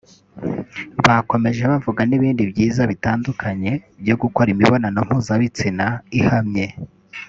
Bakomeje bavuga n’ibindi byiza bitandukanye byo gukora imibonano mpuzabitsina ihamye